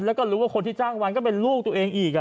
แล้วก็รู้ว่าคนที่จ้างวันก็เป็นลูกตัวเองอีก